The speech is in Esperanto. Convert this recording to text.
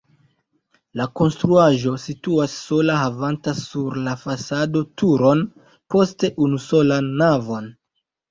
La konstruaĵo situas sola havanta sur la fasado turon, poste unusolan navon.